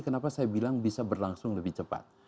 kenapa saya bilang bisa berlangsung lebih cepat